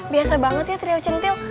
biasa banget ya trio centil